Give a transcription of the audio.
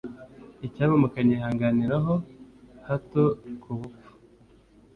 icyampa mukanyihanganira ho hato ku bupfu